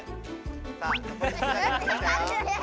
さあ。